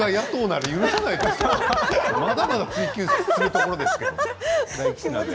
まだまだ追及するところですよ。